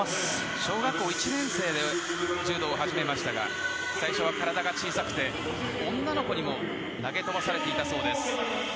小学校１年生で柔道を始めましたが最初は体が小さくて女の子にも投げ飛ばされていたそうです。